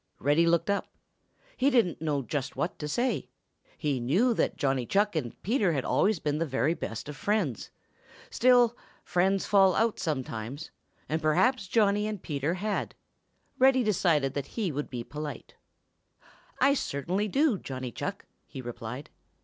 Reddy looked up. He didn't know just what to say. He knew that Johnny Chuck and Peter had always been the very best of friends. Still, friends fall out sometimes, and perhaps Johnny and Peter had. Reddy decided that he would be polite. "I certainly do, Johnny Chuck," he replied.